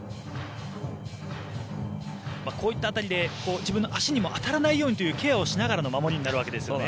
こういった辺りで自分の足にも当たらないようにというケアをしながらの守りになるわけですよね。